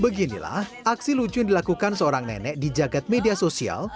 beginilah aksi lucu yang dilakukan seorang nenek di jagad media sosial